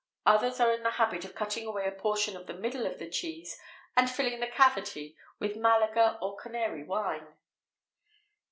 Others are in the habit of cutting away a portion of the middle of the cheese, and filling the cavity with Malaga or Canary wine.